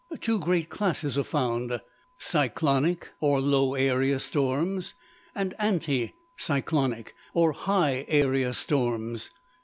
Two great classes are found: cyclonic, or low area storms, and anti cyclonic, or high area storms.